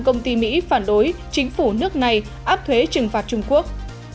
một trăm linh công ty mỹ phản đối chính phủ nước này áp thuế trừng phạt trung quốc